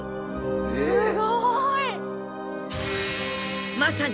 すごい！